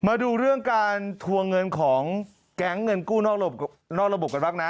มาดูเรื่องการทวงเงินของแก๊งเงินกู้นอกระบบกันบ้างนะ